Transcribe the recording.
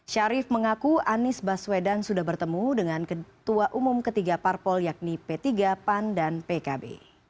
syarif mengaku anies baswedan sudah bertemu dengan ketua umum ketiga parpol yakni p tiga pan dan pkb